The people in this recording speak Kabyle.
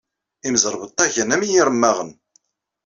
Imẓerbeḍḍa gan am yiremmaɣen.